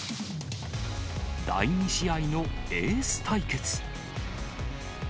第２試合のエース対決。